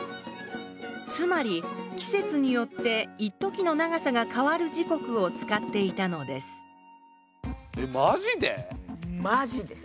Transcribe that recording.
つまり季節によっていっときの長さが変わる時刻を使っていたのですえマジで？